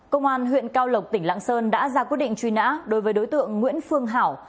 công an huyện cao lộc tỉnh lạng sơn đã ra quyết định truy nã đối với đối tượng nguyễn phương hảo